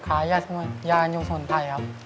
ขายยานยูงสนไทยครับ